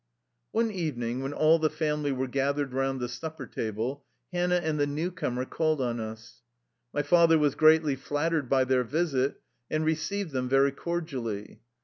One evening, when all the family were gath ered round the supper table, Hannah and the new comer called on us. My father was greatly flattered by their visit, and received them very cordially.